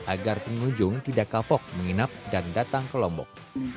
agar pengunjung tidak akan menangkap penonton